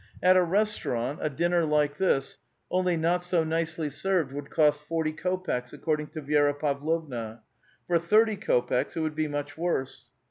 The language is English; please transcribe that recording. At a restaurant, a dinner like this, only not so nicely served, would cost fort^' kopeks, according to Vi6ra Pavlovna. For thirty kopeks it would be much worse.